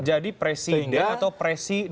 jadi presiden atau presiden